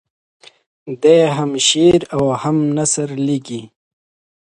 دی هم شعر او هم نثر لیکي.